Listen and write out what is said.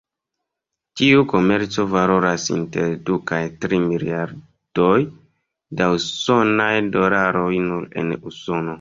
Tiu komerco valoras inter du kaj tri miliardoj da usonaj dolaroj nur en Usono.